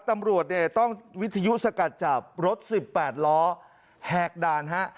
ตำรวจเนี่ยต้องวิทยุสกัดจับรถ๑๘ล้อแหกด่านฮะ